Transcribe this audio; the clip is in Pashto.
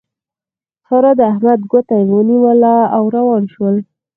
سارا د احمد ګوته ونيوله او روان شول.